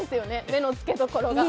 目のつけどころが。